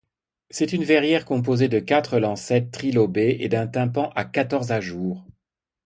C'est une verrière composée de quatre lancettes trilobées et d'un tympan à quatorze ajours.